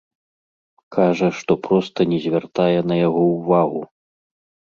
Кажа, што проста не звяртае на яго ўвагу.